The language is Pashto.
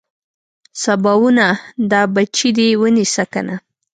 سباوونه دا بچي دې ونيسه کنه.